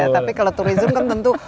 tapi kalau turism kan tentu